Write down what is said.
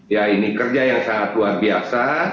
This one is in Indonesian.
ya ini kerja yang sangat luar biasa